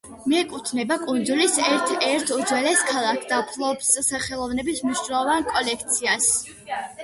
მიეკუთვნება კუნძულის ერთ-ერთ უძველეს ქალაქს და ფლობს ხელოვნების მნიშვნელოვან კოლექციას.